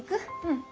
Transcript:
うん。